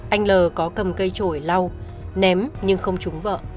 anh l có cầm cây trổi lau ném nhưng không trúng vợ